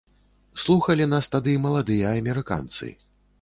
Слухалі нас тады маладыя амерыканцы.